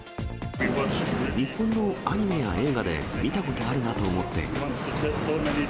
日本のアニメや映画で見たことあるなと思って。